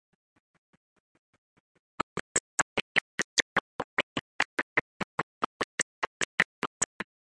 Both the society and its journal were named after American ornithologist Alexander Wilson.